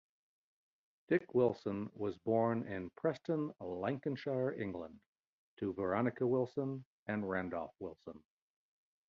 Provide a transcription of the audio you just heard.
Dick Wilson was born In Preston, Lancashire, England, to Veronica Wilson and Randolf Wilson.